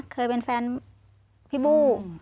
เคยเป็นแฟนพี่บู